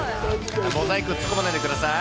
モザイク突っ込まないでください。